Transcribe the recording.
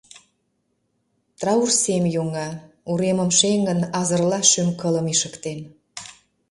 Траур сем йоҥга, уремым шеҥын, азырла шӱм-кылым ишыктен.